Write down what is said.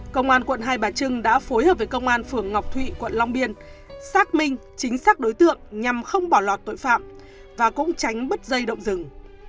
công an quận hai bà trưng đã phối hợp với công an phường ngọc thụy quận long biên xác minh chính xác đối tượng nhằm không bỏ lọt tội phạm và cũng tránh bứt dây động rừng